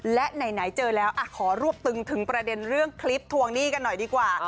และไหนเจอแล้วขอรวบตึงถึงประเด็นเรื่องคลิปทวงหนี้กันหน่อยดีกว่า